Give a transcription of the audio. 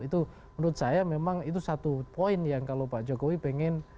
itu menurut saya memang itu satu poin yang kalau pak jokowi pengen